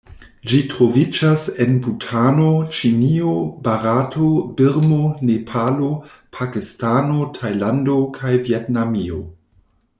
Ĝi troviĝas en Butano, Ĉinio, Barato, Birmo, Nepalo, Pakistano, Tajlando kaj Vjetnamio.